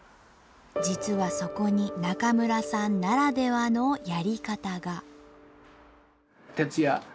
実はそこに中村さんならではのやり方が。